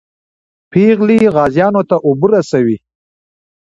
پېغلې غازیانو ته اوبه رسوي.